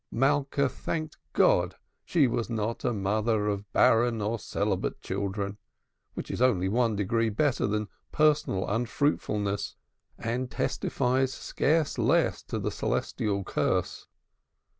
Malka thanked God she was not a mother of barren or celibate children, which is only one degree better than personal unfruitfulness, and testifies scarce less to the celestial curse.